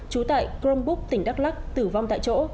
chú tại crongbúc tỉnh đắk lắc tử vong tại chỗ